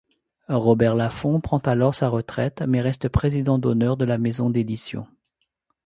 Robert Laffont prend alors sa retraite, mais reste président d'honneur de la maison d'édition.